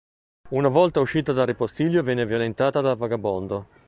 Una volta uscita dal ripostiglio viene violentata dal vagabondo.